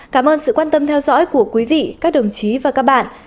cảm ơn sự quan tâm theo dõi của quý vị các đồng chí và các bạn